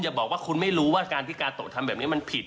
อย่าบอกว่าคุณไม่รู้ว่าการที่กาโตะทำแบบนี้มันผิด